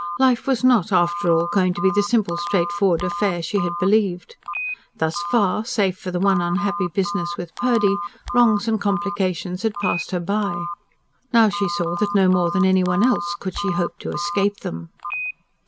Life was not, after all, going to be the simple, straightforward affair she had believed. Thus far, save for the one unhappy business with Purdy, wrongs and complications had passed her by. Now she saw that no more than anyone else could she hope to escape them.